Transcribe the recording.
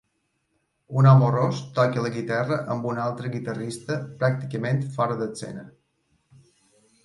Un home ros toca la guitarra amb un altre guitarrista pràcticament fora d'escena.